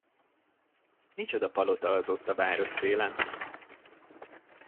Micsoda palota az ott a városszélen?